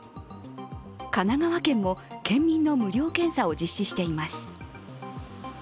神奈川県も県民の無料検査を実施しています。